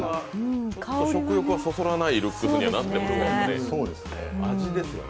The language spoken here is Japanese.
食欲はそそらないルックスにはなっていますね。